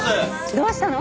どうしたの？